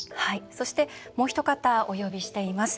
そして、もうひと方お呼びしています。